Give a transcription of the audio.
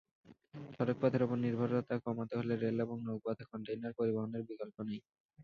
সড়কপথের ওপর নির্ভরতা কমাতে হলে রেল এবং নৌ-পথে কনটেইনার পরিবহনের বিকল্প নেই।